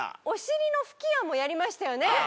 お尻の吹き矢もやりましたよね。